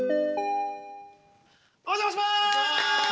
お邪魔します！